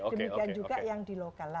demikian juga yang di lokal